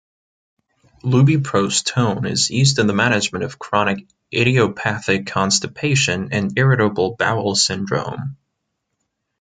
Lubiprostone is used in the management of chronic idiopathic constipation and irritable bowel syndrome.